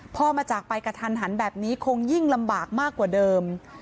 พ่อมาจากไปกระทันหันแบบนี้คงยิ่งลำบากมากกว่าเดิม